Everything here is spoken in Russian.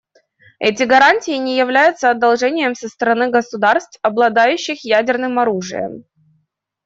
Эти гарантии не являются одолжением со стороны государств, обладающих ядерным оружием.